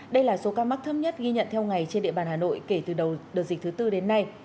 đây là số ca mắc thấp nhất ghi nhận theo ngày trên địa bàn hà nội kể từ đợt dịch thứ tư đến nay